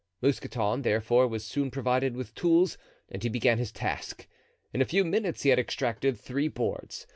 Mousqueton, therefore, was soon provided with tools and he began his task. In a few minutes he had extracted three boards.